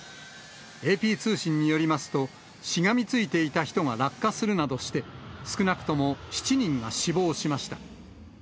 ＡＰ通信によりますと、しがみついていた人が落下するなどして、少なくとも７人が死亡しました。